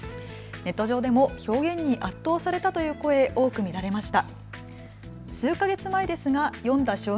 ネット上でも表現に圧倒されたという声、多く見られました。